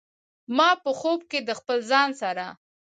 ما په خوب کې د خپل ځان سره